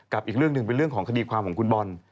อีกเรื่องหนึ่งเป็นเรื่องของคดีความของคุณบอล